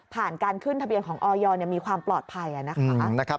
การขึ้นทะเบียนของออยมีความปลอดภัยนะคะ